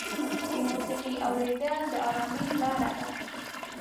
د موسیقۍ اورېدل د ارامۍ لاره ده.